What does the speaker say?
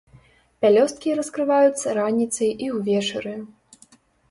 Пялёсткі раскрываюцца раніцай і ўвечары.